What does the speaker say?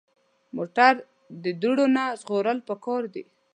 موټر د دوړو نه ژغورل پکار دي.